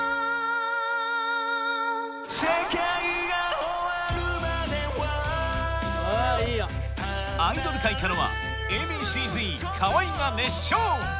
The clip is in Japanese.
世界が終わるまではアイドル界からは Ａ．Ｂ．Ｃ−Ｚ 河合が熱唱